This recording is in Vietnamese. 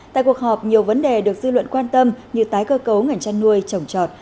tại cuộc họp nhiều vấn đề được dư luận quan tâm như tái cơ cấu ngành chăn nuôi trồng trọt